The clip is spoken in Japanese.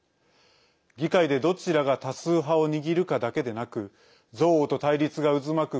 議会で、どちらが多数派を握るかだけでなく憎悪と対立が渦巻く